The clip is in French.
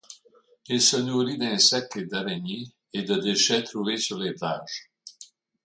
Il se nourrit d'insectes et d'araignées, et de déchets trouvés sur les plages.